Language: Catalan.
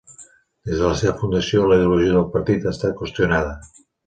Des de la seva fundació, la ideologia del partit ha estat qüestionada.